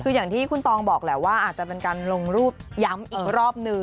คืออย่างที่คุณตองบอกแหละว่าอาจจะเป็นการลงรูปย้ำอีกรอบนึง